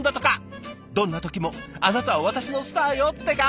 「どんな時もあなたは私のスターよ」ってか！